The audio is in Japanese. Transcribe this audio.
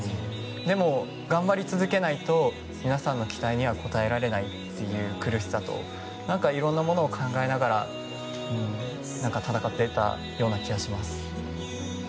でも、頑張り続けないと皆さんの期待には応えられないという苦しさと何かいろんなものを考えながら闘ってたような気がします。